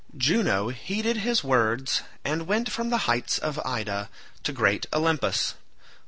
Juno heeded his words and went from the heights of Ida to great Olympus.